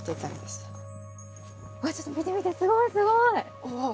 すごいすごい！